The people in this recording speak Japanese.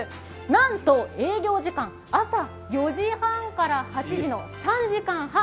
なんと営業時間、朝４時半から８時の３時間半。